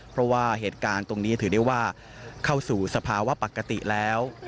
เพราะว่าเหตุการณ์ตรงนี้ถือได้ว่าเข้าสู่สภาวะปกติแล้ว